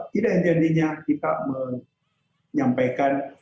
tidak hanya dia diananya kita menyampaikan